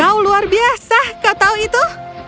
kau luar biasa kau tahu itu